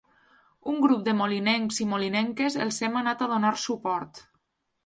Un grup de molinencs i molinenques els hem anat a donar suport.